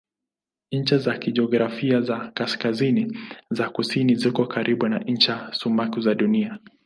Ncha za kijiografia za kaskazini na kusini ziko karibu na ncha sumaku za Dunia.